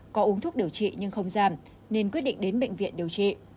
có uống thuốc điều trị nhưng không giảm nên quyết định đến bệnh viện điều trị